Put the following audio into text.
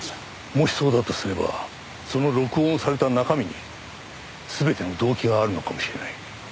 もしそうだとすればその録音された中身に全ての動機があるのかもしれない。